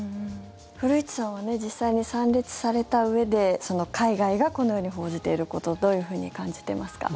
古市さんは実際に参列されたうえで海外がこのように報じていることどのように感じていますか？